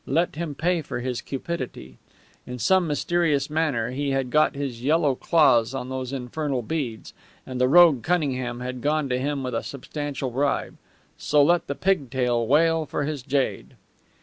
Let him pay for his cupidity. In some mysterious manner he had got his yellow claws on those infernal beads, and the rogue Cunningham had gone to him with a substantial bribe. So let the pigtail wail for his jade.